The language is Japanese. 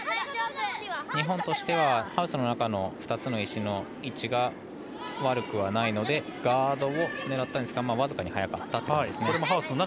日本としてはハウスの中の２つの石の位置が悪くはないのでガードを狙ったんですが僅かに早かったということですね。